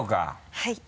はい。